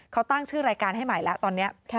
เขาตั้งชื่อรายการให้ใหม่แล้วตอนนี้